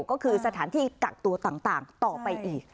ก็คือสถานที่กักตัวต่างต่อไปอีก